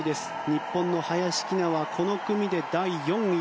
日本の林希菜はこの組で第４位。